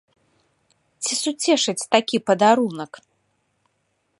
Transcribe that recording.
Ці суцешыць такі падарунак?